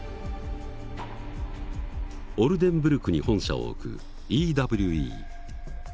オルデンブルクに本社を置くＥＷＥ。